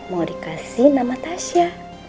mau dikasih nama tasya